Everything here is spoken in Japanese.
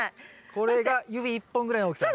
これが指１本ぐらいの大きさ。